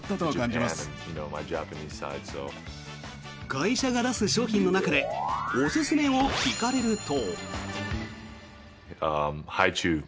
会社が出す商品の中でおすすめを聞かれると。